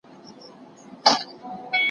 حل نه دی ټاکل شوی.